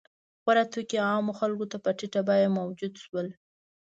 • خوراکي توکي عامو خلکو ته په ټیټه بیه موجود شول.